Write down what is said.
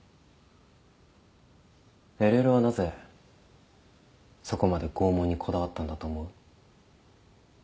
ＬＬはなぜそこまで拷問にこだわったんだと思う？